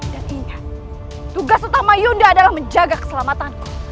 dan ini tugas utama yunda adalah menjaga keselamatanku